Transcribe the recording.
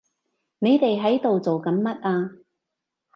你哋喺度做緊乜啊？